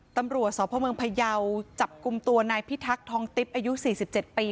ตำรวจควบคุมตัวในพิทักษ์ทองติ๊บอายุ๔๗ปี